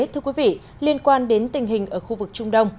thưa quý vị liên quan đến tình hình ở khu vực trung đông